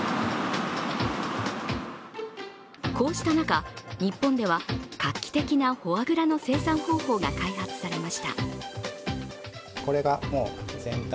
こうした中、日本では画期的なフォアグラの生産方法が開発されました。